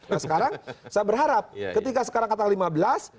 nah sekarang saya berharap ketika sekarang katakan lima belas